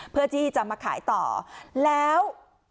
เพื่อที่จะมาขายต่อแล้ว